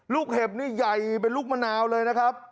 เห็บนี่ใหญ่เป็นลูกมะนาวเลยนะครับ